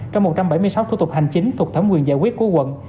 trong một trăm bảy mươi sáu thủ tục hành chính thuộc thẩm quyền giải quyết của quận